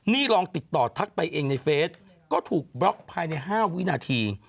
นี่ลองติดต่อทักไปเองในเฟสก็ถูกบล็อกภายใน๕วินาที